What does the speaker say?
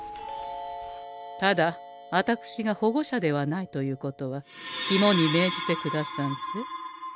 ただあたくしが保護者ではないということはきもにめいじてくださんせ。